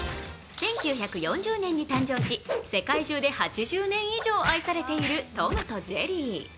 １９４０年に誕生し、世界中で８０年以上愛されている「トムとジェリー」。